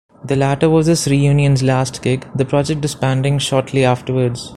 The latter was this reunion's last gig, the project disbanding shortly afterwards.